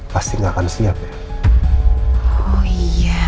pasti nggak akan siap ya